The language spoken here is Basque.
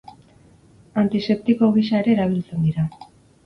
Antiseptiko gisa ere erabiltzen dira.